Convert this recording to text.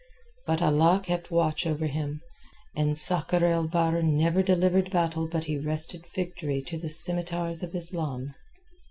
But Allah kept watch over him, and Sakr el Bahr never delivered battle but he wrested victory to the scimitars of Islam.